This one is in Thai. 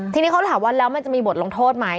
ทีนี้เขาถามว่าแล้วมันจะมีบทลงโทษไหม